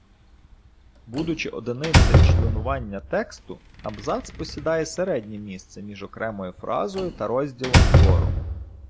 Будучи одиницею членування тексту, абзац посідає середнє місце між окремою фразою та розділом твору.